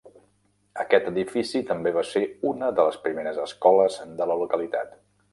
Aquest edifici també va ser una de les primeres escoles de la localitat.